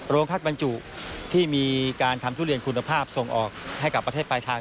คัดบรรจุที่มีการทำทุเรียนคุณภาพส่งออกให้กับประเทศปลายทาง